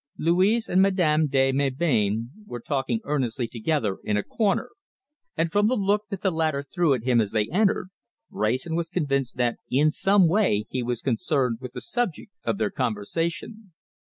Louise and Madame de Melbain were talking earnestly together in a corner, and from the look that the latter threw at him as they entered, Wrayson was convinced that in some way he was concerned with the subject of their conversation.